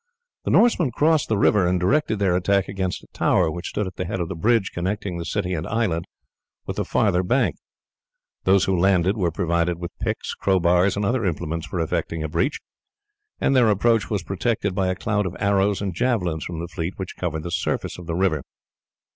The Norsemen crossed the river, and directed their attack against a tower which stood at the head of the bridge connecting the city and island with the farther bank. Those who landed were provided with picks, crowbars, and other implements for effecting a breach, and their approach was protected by a cloud of arrows and javelins from the fleet which covered the surface of the river.